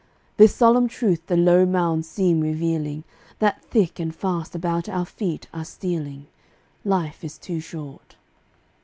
This solemn truth the low mounds seem revealing That thick and fast about our feet are stealing: Life is too short.